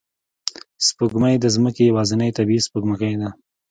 سپوږمۍ د ځمکې یوازینی طبیعي سپوږمکۍ ده